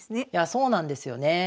そうなんですよね。